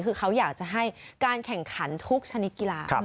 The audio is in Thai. คือเขาอยากจะให้การแข่งขันทุกชนิดกีฬา